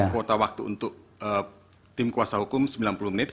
kuota waktu untuk tim kuasa hukum sembilan puluh menit